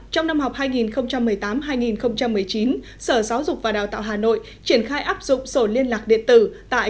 trong năm học hai nghìn một mươi tám hai nghìn một mươi chín sở giáo dục và đào tạo hà nội triển khai áp dụng sổ liên lạc điện tử tại